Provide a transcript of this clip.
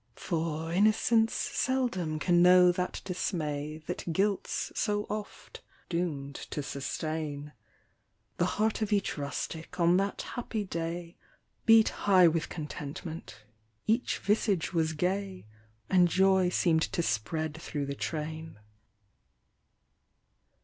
For innocence seldom can know that dismay That guilt's so oft doom'd to sustain ; The heart of each rustic on that happy day, Beat high with contentment, each visage was gay, And joy seem'd to spread thro' the train.